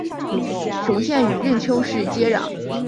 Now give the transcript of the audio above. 雄县与任丘市接壤。